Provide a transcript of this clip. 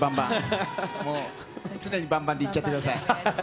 もう常にばんばんでいっちゃってください。